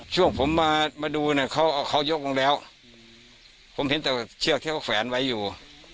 ช่วงผมมามาดูเนี่ยเขาเขายกลงแล้วผมเห็นแต่เชือกที่เขาแขวนไว้อยู่